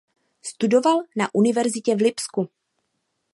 Studoval na univerzitě v Lipsku.